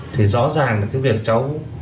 thì rõ ràng là cái việc cháu